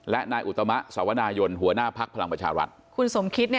และนายอุตมะสวนาโยณหัวหน้าพรรณพลังปัชฌาฤติ